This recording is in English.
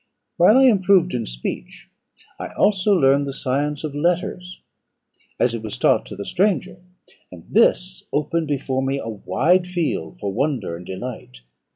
"While I improved in speech, I also learned the science of letters, as it was taught to the stranger; and this opened before me a wide field for wonder and delight.